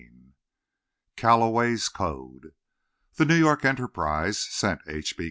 IV CALLOWAY'S CODE The New York Enterprise sent H. B.